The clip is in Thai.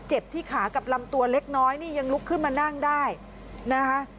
ที่ขากับลำตัวเล็กน้อยนี่ยังลุกขึ้นมานั่งได้นะคะ